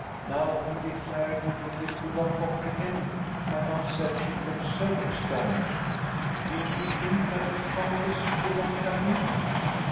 Now he declared he really could not comprehend why Mamsell should look so astonished. Did she think that the Countess would not have him